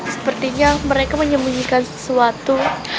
sepertinya mereka menyembunyikan sesuatu